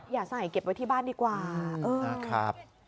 อย่าใส่เก็บไว้ที่บ้านดีกว่านะครับ